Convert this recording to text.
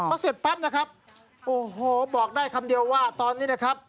พอเสร็จปั๊บนะครับโอ้โหบอกได้คำเดียวว่าตอนนี้นะครับ